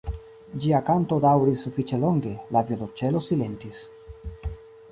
Ĝia kanto daŭris sufiĉe longe, la violonĉelo silentis.